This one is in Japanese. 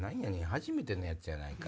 初めてのやつやないか。